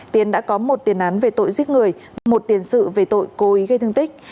tiến đã có một tiền án về tội giết người một tiền sự về tội cố ý gây thương tích